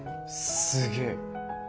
すげえ。